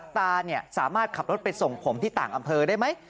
ตาเนี่ยสามารถขับรถไปส่งผมที่ต่างอำเภอได้ไหม